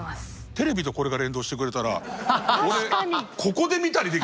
テレビとこれが連動してくれたら俺ここで見たりできるわけですよ。